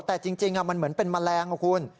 แต่จริงมันเหมือนเป็นแมลงนะคุณ